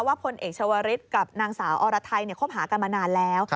พลเอกชาวริสกับนางสาวอรไทยคบหากันมานานแล้ว